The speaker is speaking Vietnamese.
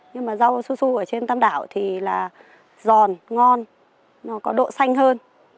nhưng mà rau su su ở trên tam đảo thì là giòn ngon nó có độ xanh hơn